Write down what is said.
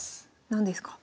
何ですか？